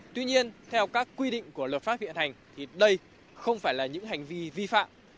tuy nhiên theo các quy định của luật pháp hiện hành thì đây không phải là những hành vi vi phạm